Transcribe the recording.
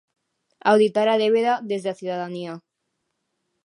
Auditar a débeda desde a cidadanía.